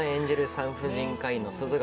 産婦人科医の鈴が。